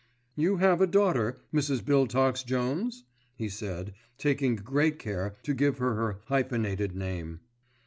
"You have a daughter, Mrs. Biltox Jones?" he said, taking great care to give her her hyphenated name.